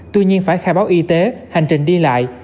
tuy nhiên phải khai báo y tế hành trình đi lại